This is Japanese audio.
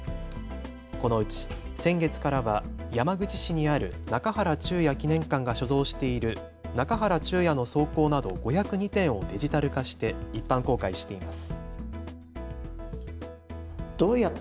このうち先月からは山口市にある中原中也記念館が所蔵している中原中也の草稿など５０２点をデジタル化して一般公開しています。